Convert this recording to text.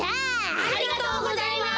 ありがとうございます！